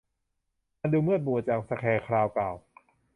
มันดูมืดมัวจัง สแคร์คราวกล่าว